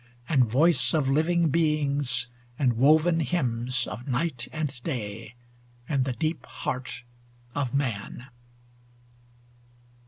And voice of living beings, and woven hymns Of night and day, and the deep heart of man.